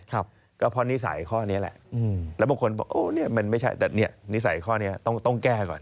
ครับก็เพราะนิสัยข้อนี้แหละแล้วบางคนบอกโอ้เนี่ยมันไม่ใช่แต่เนี่ยนิสัยข้อนี้ต้องแก้ก่อน